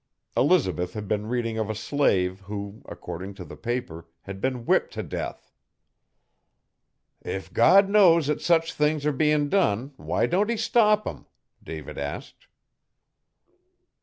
Elizabeth had been reading of a slave, who, according to the paper, had been whipped to death. 'If God knows 'at such things are bein' done, why don't he stop 'em?' David asked.